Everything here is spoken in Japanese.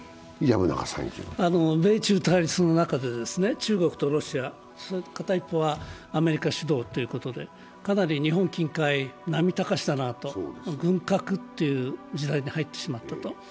米中対立の中で中国とロシア、片一方はアメリカ主導ということで、かなり日本近海、波高しだなと軍拡という時代に入ってきてしまったと。